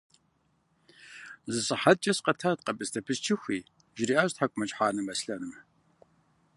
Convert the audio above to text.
– Зы сыхьэткӀэ сыкъэтат къэбыстэ пысчыхуи, – жриӀащ ТхьэкӀумэкӀыхь анэм Аслъэным.